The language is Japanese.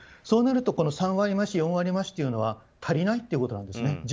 そうなると３割増し、４割増しというのは足りないということなんですね。